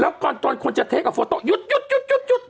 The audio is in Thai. แล้วก่อนตอนคนจะเทคกับโฟโต้หยุด